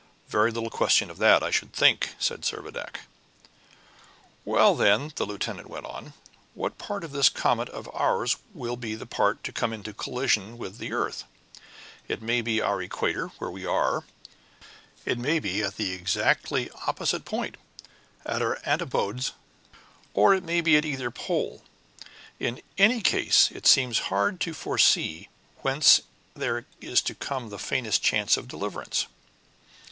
"Very little question of that, I should think," said Servadac. "Well, then," the lieutenant went on, "what part of this comet of ours will be the part to come into collision with the earth? It may be the equator, where we are; it may be at the exactly opposite point, at our antipodes; or it may be at either pole. In any case, it seems hard to foresee whence there is to come the faintest chance of deliverance."